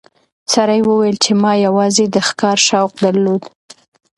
سړي وویل چې ما یوازې د ښکار شوق درلود.